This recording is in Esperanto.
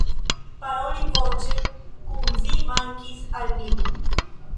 Paroli voĉe kun vi mankis al mi